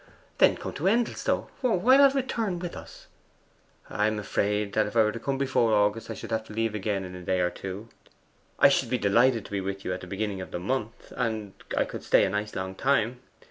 'Then come to Endelstow; why not return with us?' 'I am afraid if I were to come before August I should have to leave again in a day or two. I should be delighted to be with you at the beginning of that month; and I could stay a nice long time.